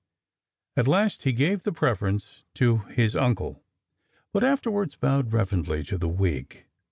At last he gave the preference to his uncle, but afterwards bowed reverently to the wig.